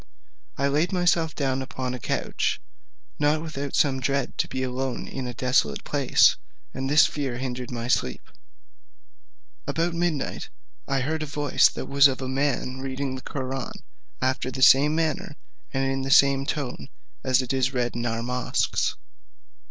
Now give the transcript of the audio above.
I laid myself down upon a couch, not without some dread to be alone in a desolate place; and this fear hindered my sleep. About midnight I heard a voice like that of a man reading the Koraun, after the same manner, and in the same tone as it is read in our mosques.